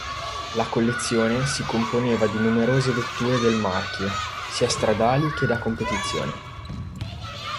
La collezione si componeva di numerose vetture del marchio sia stradali che da competizione.